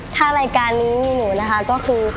ถ้ารายการนี้มีหนูนะคะก็คือ